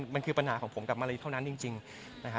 มันคือปัญหาของผมกับมารีเท่านั้นจริงนะฮะ